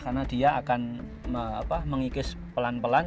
karena dia akan mengikis pelan pelan